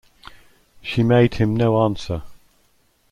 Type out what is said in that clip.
She made him no answer.